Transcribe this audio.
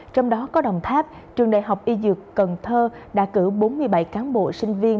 trong đó có đồng tháp trường đại học y dược cần thơ đã cử bốn mươi bảy cán bộ sinh viên